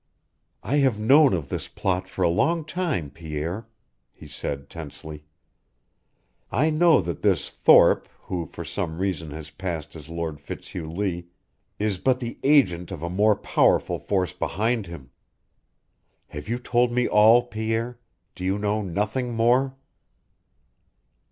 "I have known of this plot for a long time, Pierre," he said, tensely. "I know that this Thorpe, who for some reason has passed as Lord Fitzhugh Lee, is but the agent of a more powerful force behind him. Have you told me all, Pierre? Do you know nothing more?"